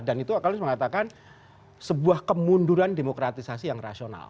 dan itu akan disatakan sebuah kemunduran demokratisasi yang rasional